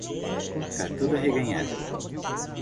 Tá tudo arreganhado